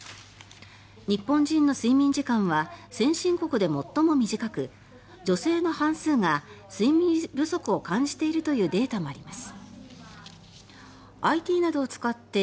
日本人の睡眠時間は先進国で最も短く女性の半数が睡眠不足を感じているというデータもあります。